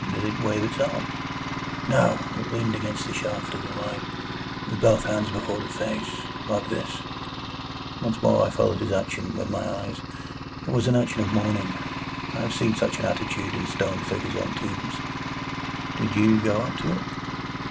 "Did it wave its arm?" "No. It leaned against the shaft of the light, with both hands before the face. Like this." Once more I followed his action with my eyes. It was an action of mourning. I have seen such an attitude in stone figures on tombs. "Did you go up to it?"